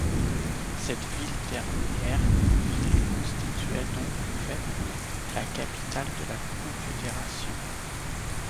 Cette dernière ville constituait donc de fait la capitale de la confédération.